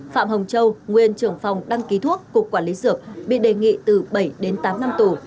phạm hồng châu nguyên trưởng phòng đăng ký thuốc cục quản lý dược bị đề nghị từ bảy đến tám năm tù